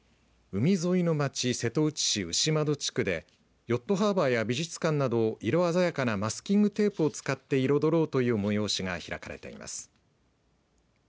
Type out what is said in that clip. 海沿いの町、瀬戸内市牛窓地区でヨットハーバーや美術館など色鮮やかなマスキングテープを使って彩ろうという催しが開かれています。